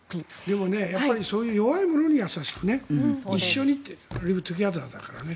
でもそういう弱いものに優しく一緒に、トゥゲザーだからね。